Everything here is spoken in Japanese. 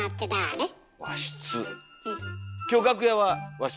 和室。